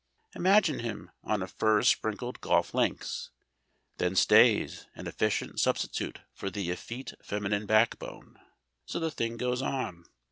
Imagine him on a furze sprinkled golf links. Then stays, an efficient substitute for the effete feminine backbone. So the thing goes on.